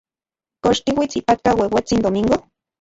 ¿Kox tiuits ipatka ueuetsin Domingo?